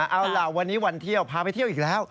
เอาล่ะวันนี้วันเที่ยวพาไปเที่ยวอีกแล้ว